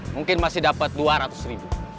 mungkin masih dapat dua ratus ribu